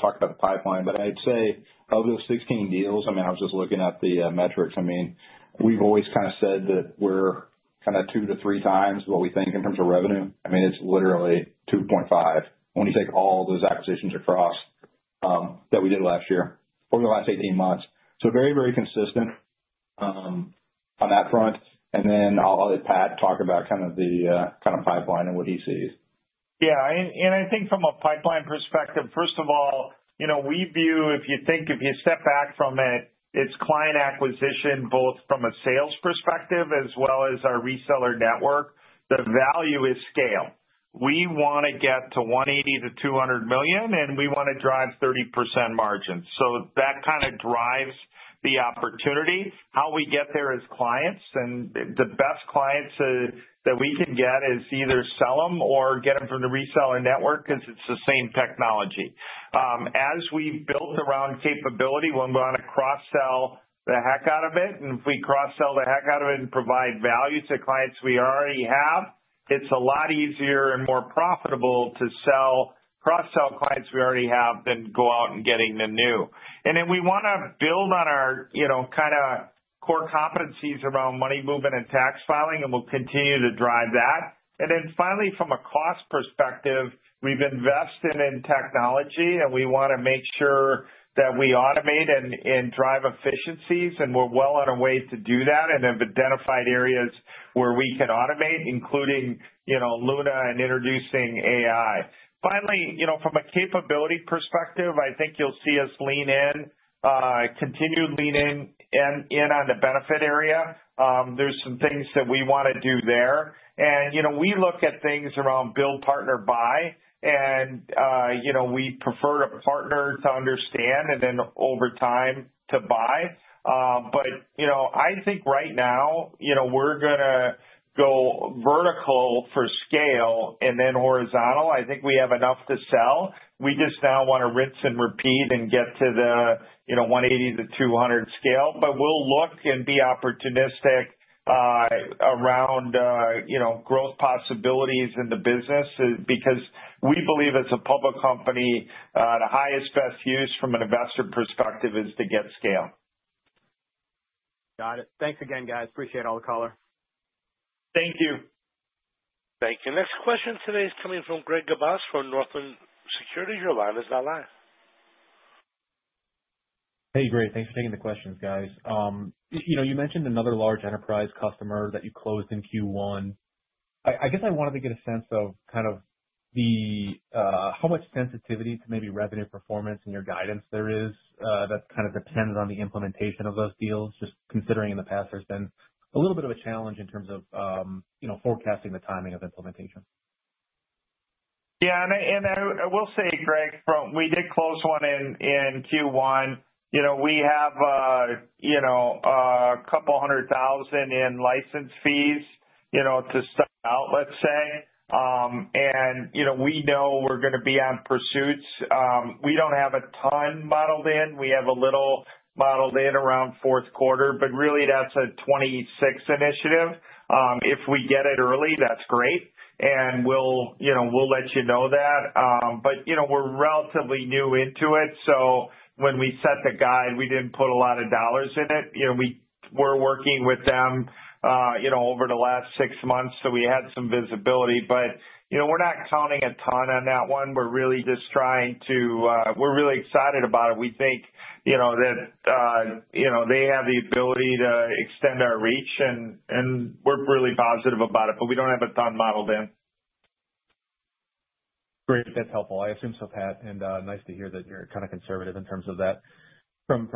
talk about the pipeline. I'd say of those 16 deals, I mean, I was just looking at the metrics. I mean, we've always kind of said that we're kind of two to three times what we think in terms of revenue. I mean, it's literally 2.5 when you take all those acquisitions across that we did last year over the last 18 months. Very, very consistent on that front. I'll let Pat talk about kind of the kind of pipeline and what he sees. Yeah. I think from a pipeline perspective, first of all, we view, if you think if you step back from it, it's client acquisition both from a sales perspective as well as our reseller network. The value is scale. We want to get to $180 million-$200 million, and we want to drive 30% margin. That kind of drives the opportunity. How we get there is clients. The best clients that we can get is either sell them or get them from the reseller network because it's the same technology. As we've built around capability, we'll go on to cross-sell the heck out of it. If we cross-sell the heck out of it and provide value to clients we already have, it's a lot easier and more profitable to cross-sell clients we already have than go out and get the new. We want to build on our kind of core competencies around money movement and tax filing, and we'll continue to drive that. Finally, from a cost perspective, we've invested in technology, and we want to make sure that we automate and drive efficiencies. We're well on our way to do that and have identified areas where we can automate, including Luna and introducing AI. Finally, from a capability perspective, I think you'll see us lean in, continue leaning in on the benefit area. There are some things that we want to do there. We look at things around build, partner, buy. We prefer to partner to understand and then over time to buy. I think right now we're going to go vertical for scale and then horizontal. I think we have enough to sell. We just now want to rinse and repeat and get to the $180 million-$200 million scale. We will look and be opportunistic around growth possibilities in the business because we believe as a public company, the highest best use from an investor perspective is to get scale. Got it. Thanks again, guys. Appreciate all the color. Thank you. Thank you. Next question today is coming from Greg Gabas from Northland Securities. Your line is now live. Hey, Great. Thanks for taking the questions, guys. You mentioned another large enterprise customer that you closed in Q1. I guess I wanted to get a sense of kind of how much sensitivity to maybe revenue performance in your guidance there is that kind of depends on the implementation of those deals, just considering in the past there's been a little bit of a challenge in terms of forecasting the timing of implementation. Yeah. I will say, Greg, we did close one in Q1. We have a couple hundred thousand in license fees to start out, let's say. We know we're going to be on pursuits. We don't have a ton bottled in. We have a little bottled in around fourth quarter, but really that's a 2026 initiative. If we get it early, that's great. We'll let you know that. We're relatively new into it. When we set the guide, we didn't put a lot of dollars in it. We're working with them over the last six months, so we had some visibility. We're not counting a ton on that one. We're really just trying to—we're really excited about it. We think that they have the ability to extend our reach, and we're really positive about it, but we don't have a ton bottled in. Great. That's helpful. I assume so, Pat. Nice to hear that you're kind of conservative in terms of that from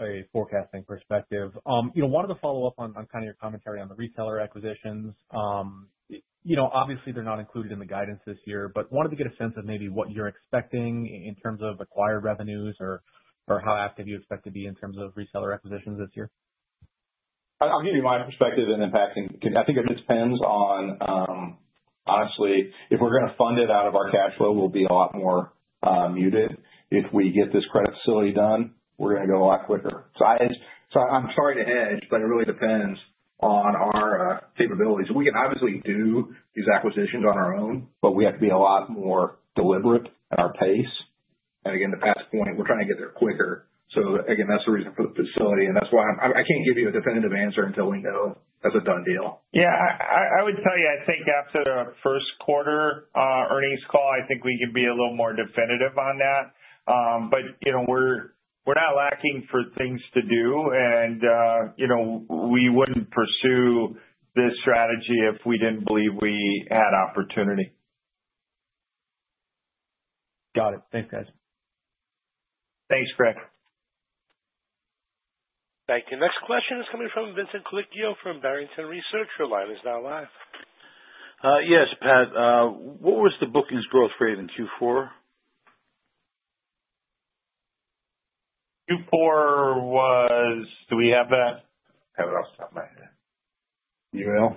a forecasting perspective. Wanted to follow up on kind of your commentary on the reseller acquisitions. Obviously, they're not included in the guidance this year, but wanted to get a sense of maybe what you're expecting in terms of acquired revenues or how active you expect to be in terms of reseller acquisitions this year. I'll give you my perspective and then Pat. I think it just depends on, honestly, if we're going to fund it out of our cash flow, we'll be a lot more muted. If we get this credit facility done, we're going to go a lot quicker. I'm sorry to hedge, but it really depends on our capabilities. We can obviously do these acquisitions on our own, but we have to be a lot more deliberate at our pace. To Pat's point, we're trying to get there quicker. That's the reason for the facility. That's why I can't give you a definitive answer until we know that's a done deal. Yeah. I would tell you, I think after the first quarter earnings call, I think we can be a little more definitive on that. We are not lacking for things to do, and we would not pursue this strategy if we did not believe we had opportunity. Got it. Thanks, guys. Thanks, Greg. Thank you. Next question is coming from Vincent Colicchio from Barrington Research. Your line is now live. Yes, Pat. What was the bookings growth rate in Q4? Q4 was—do we have that? Have it off the top of my head. You will?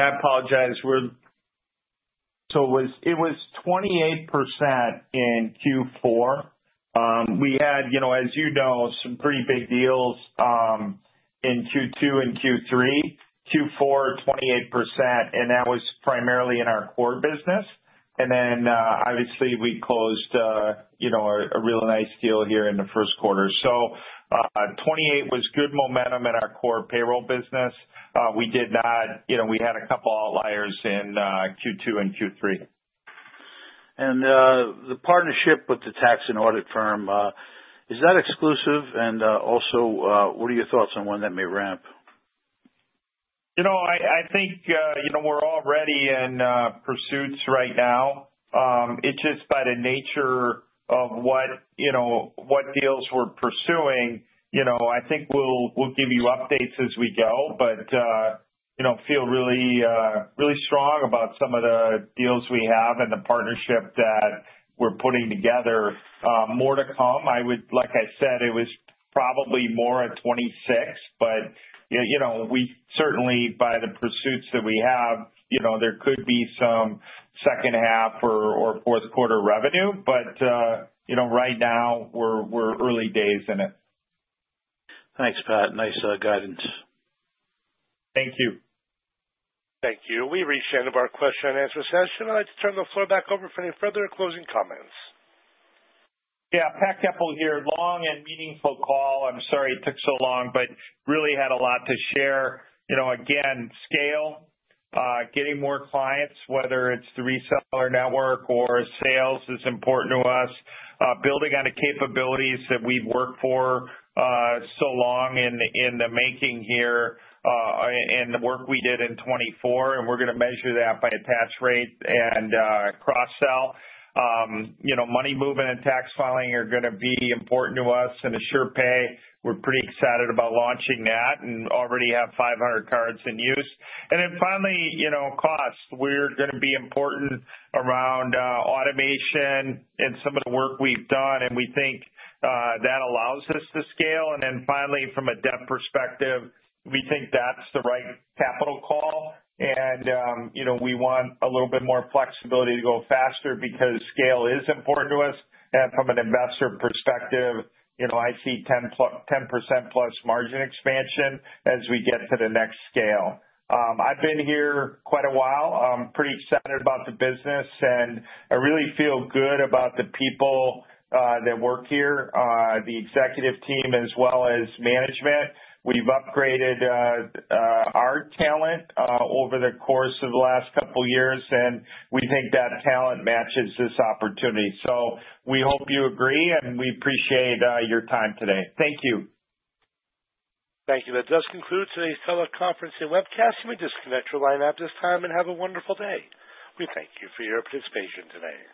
I apologize. It was 28% in Q4. We had, as you know, some pretty big deals in Q2 and Q3. Q4, 28%, and that was primarily in our core business. Obviously, we closed a really nice deal here in the first quarter. 28% was good momentum in our core payroll business. We did not—we had a couple outliers in Q2 and Q3. Is the partnership with the tax and audit firm exclusive? What are your thoughts on when that may ramp? I think we're already in pursuits right now. It's just by the nature of what deals we're pursuing. I think we'll give you updates as we go, but feel really strong about some of the deals we have and the partnership that we're putting together. More to come. Like I said, it was probably more at 26, but we certainly, by the pursuits that we have, there could be some second half or fourth quarter revenue. Right now, we're early days in it. Thanks, Pat. Nice guidance. Thank you. Thank you. We reached the end of our question and answer session. I'd like to turn the floor back over for any further closing comments. Yeah. Pat Goepel here. Long and meaningful call. I'm sorry it took so long, but really had a lot to share. Again, scale, getting more clients, whether it's the reseller network or sales, is important to us. Building on the capabilities that we've worked for so long in the making here and the work we did in 2024. We're going to measure that by attach rate and cross-sell. Money movement and tax filing are going to be important to us and AsurePay. We're pretty excited about launching that and already have 500 cards in use. Finally, cost. We're going to be important around automation and some of the work we've done. We think that allows us to scale. Finally, from a debt perspective, we think that's the right capital call. We want a little bit more flexibility to go faster because scale is important to us. From an investor perspective, I see 10% plus margin expansion as we get to the next scale. I've been here quite a while. I'm pretty excited about the business, and I really feel good about the people that work here, the executive team as well as management. We've upgraded our talent over the course of the last couple of years, and we think that talent matches this opportunity. We hope you agree, and we appreciate your time today. Thank you. Thank you. That does conclude today's teleconference and webcast. Let me just disconnect your line at this time and have a wonderful day. We thank you for your participation today.